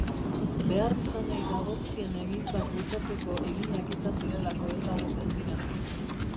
Beharrizanei dagozkien egintzak bultzatzeko eginak izan direlako ezagutzen dira.